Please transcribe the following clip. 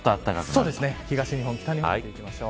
東日本、北日本です。